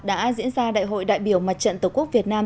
đã diễn ra đại hội đại biểu mặt trận tổ quốc việt nam